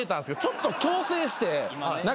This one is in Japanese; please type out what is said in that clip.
ちょっと矯正して。